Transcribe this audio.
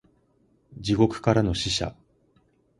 地獄からの使者